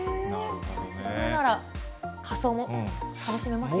ここなら仮装も楽しめます？